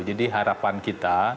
jadi harapan kita